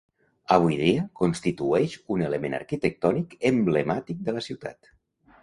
Avui dia constitueix un element arquitectònic emblemàtic de la ciutat.